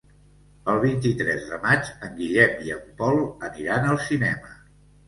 El vint-i-tres de maig en Guillem i en Pol aniran al cinema.